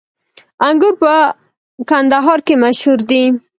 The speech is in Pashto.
انګور په کندهار کې مشهور دي